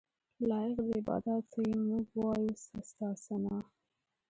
لایق د عباداتو یې موږ وایو ستا ثناء.